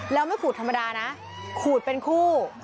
แล้วไม่ขูดธรรมดานะขูดเป็นคู่